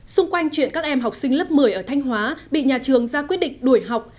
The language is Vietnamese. xung quanh chuyện các em học sinh lớp một mươi ở thanh hóa bị nhà trường ra quyết định đuổi học